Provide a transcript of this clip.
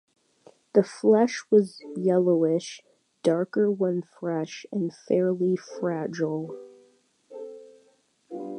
The flesh is yellowish (darker when fresh) and fairly fragile.